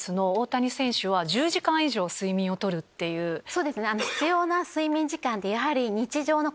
そうですね。